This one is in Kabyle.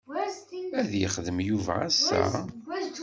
Ad yexdem Yuba ass-a?